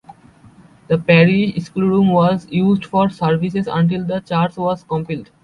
The parish schoolroom was used for services until the church was completed.